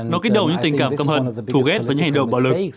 thù ghét với những hành động bạo lực